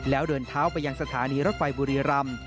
แล้วเดินเท้าไปยังสถานีรถไฟบุรีรำ